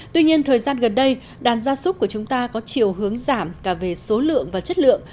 tuy nhiên thời gian gần đây đàn gia súc của chúng ta có chiều hướng giảm cả về số lượng và chất lượng